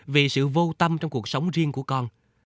vì sự vô tâm trong cuộc sống riêng của con